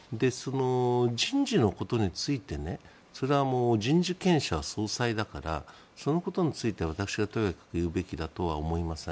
人事のことについて人事権者は総裁だからそのことについては私はとやかく言うべきだとは思いません。